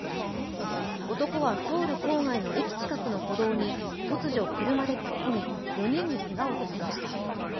男はソウル郊外の駅近くの歩道に突如、車で突っ込み４人にけがをさせました。